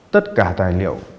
tất cả tài liệu